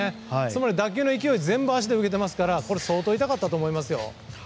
つまり打球の勢いそのまま全部足で受けているから相当痛かったと思いますよ。